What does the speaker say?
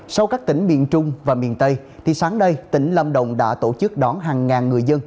sau các tỉnh miền trung và miền tây thì sáng nay tỉnh lâm đồng đã tổ chức đón hàng ngàn người dân